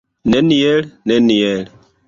Neniel, neniel!